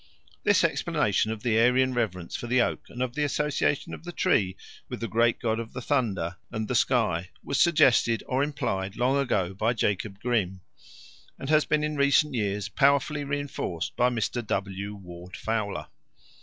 This explanation of the Aryan reverence for the oak and of the association of the tree with the great god of the thunder and the sky, was suggested or implied long ago by Jacob Grimm, and has been in recent years powerfully reinforced by Mr. W. Warde Fowler.